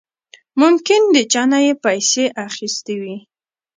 ممکن د چانه يې پيسې اخېستې وي.